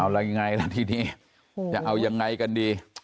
แล้วยังไงล่ะทีนี้จะเอายังไงกันดี